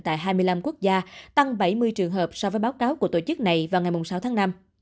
tại hai mươi năm quốc gia tăng bảy mươi trường hợp so với báo cáo của tổ chức này vào ngày sáu tháng năm